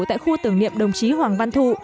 tại khu tưởng niệm đồng chí hoàng văn thụ